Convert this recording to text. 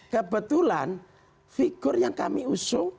kebetulan figur yang kami usung